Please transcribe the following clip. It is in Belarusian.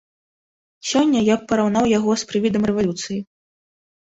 Сёння я б параўнаў яго з прывідам рэвалюцыі.